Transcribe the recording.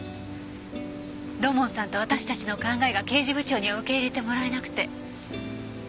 土門さんと私たちの考えが刑事部長には受け入れてもらえなくて。